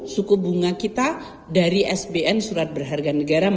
suku bunga kita dari sbn surat berharga negara